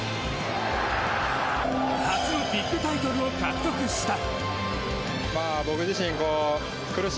初のビッグタイトルを獲得した。